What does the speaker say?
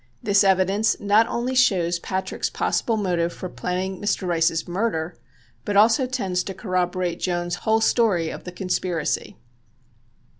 This evidence not only shows Patrick's possible motive for planning Mr. Rice's murder, but also tends to corroborate Jones's whole story of the conspiracy.